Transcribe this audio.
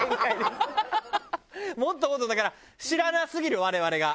もっともっとだから知らなすぎる我々が。